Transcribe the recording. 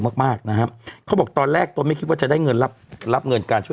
มากมากนะฮะเขาบอกตอนแรกตนไม่คิดว่าจะได้เงินรับรับเงินการช่วย